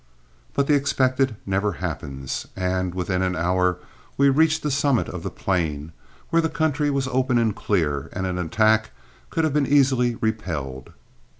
But the expected never happens, and within an hour we reached the summit of the plain, where the country was open and clear and an attack could have been easily repelled.